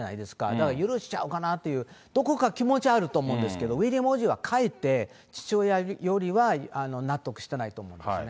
だから許しちゃおうかなっていう、どこか気持ちあると思うんですけど、ウィリアム王子はかえって父親よりは納得してないと思いますね。